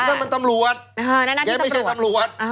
นั่นมันตำรวจแกไม่ใช่ตำรวจ